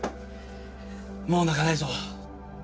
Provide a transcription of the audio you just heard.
もう泣かないぞ！